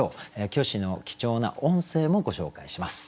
虚子の貴重な音声もご紹介します。